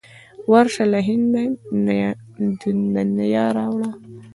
ورشه له هنده د نیا را وړه.